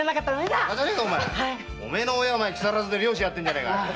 バカやろうお前の親は木更津で漁師やってるじゃねえか。